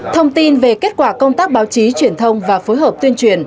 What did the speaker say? thông tin về kết quả công tác báo chí truyền thông và phối hợp tuyên truyền